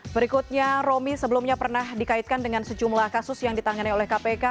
berikutnya romi sebelumnya pernah dikaitkan dengan sejumlah kasus yang ditangani oleh kpk